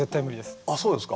あっそうですか。